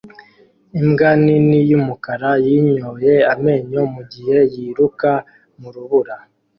Imbwa nini yumukara yinyoye amenyo mugihe yiruka mu rubura